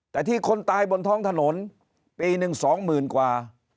แต่ที่คนตายบนท้องถนนปีหนึ่งสองหมื่นกว่า